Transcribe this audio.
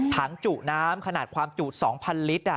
จุน้ำขนาดความจุ๒๐๐ลิตร